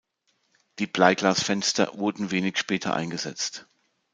Die Bleiglasfenster wurden wenig später eingesetzt.